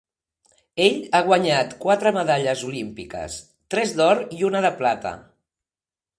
Ell ha guanyat quatre medalles olímpiques, tres d'or i una de plata.